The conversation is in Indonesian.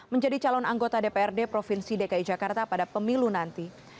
menjadi calon anggota dprd provinsi dki jakarta pada pemilu nanti